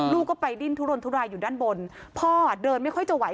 ลูกก็ไปดิ้นทุรนทุรายอยู่ด้านบนพ่อเดินไม่ค่อยจะไหว